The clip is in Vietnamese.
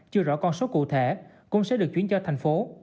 chưa rõ con số cụ thể cũng sẽ được chuyển cho thành phố